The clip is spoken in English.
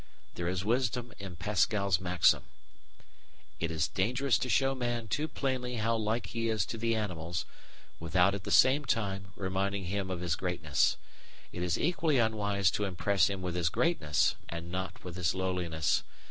There is wisdom in Pascal's maxim: It is dangerous to show man too plainly how like he is to the animals, without, at the same time, reminding him of his greatness. It is equally unwise to impress him with his greatness and not with his lowliness.